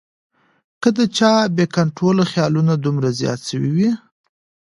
کۀ د چا بې کنټروله خیالونه دومره زيات شوي وي